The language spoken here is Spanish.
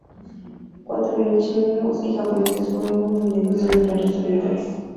Cuatro mil chinos y japoneses fueron confinados en los barrios orientales.